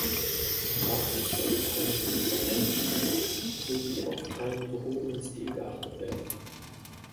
Sprachlich sollte auf eine gute Verständlichkeit sowie auf einen gehobenen Stil geachtet werden.